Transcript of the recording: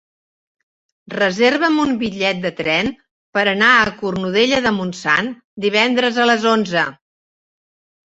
Reserva'm un bitllet de tren per anar a Cornudella de Montsant divendres a les onze.